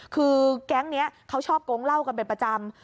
คือแก๊งนี้เขาชอบโกงเหล้ากันเป็นประจำ